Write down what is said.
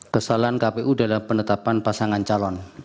kesalahan kpu dalam penetapan pasangan calon